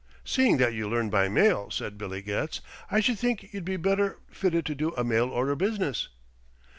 "Seeing that you learned by mail," said Billy Getz, "I should think you'd be better fitted to do a mail order business."